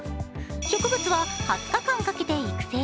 植物は２０日間かけて育成。